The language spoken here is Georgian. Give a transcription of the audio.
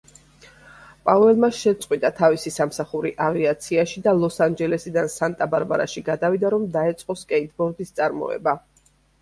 პაუელმა შეწყვიტა თავისი სამსახური ავიაციაში და ლოს-ანჯელესიდან სანტა-ბარბარაში გადავიდა, რომ დაეწყო სკეიტბორდის წარმოება.